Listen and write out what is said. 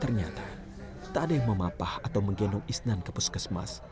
ternyata tak ada yang memapah atau menggendong isnan ke puskesmas